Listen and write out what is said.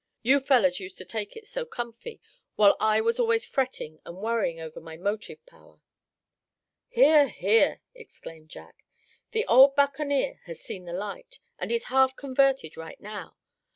You fellows used to take it so comfy, while I was always fretting, and worrying over my motive power." "Hear! hear!" exclaimed Jack, "the old buccaneer has seen a great light, and is half converted right now.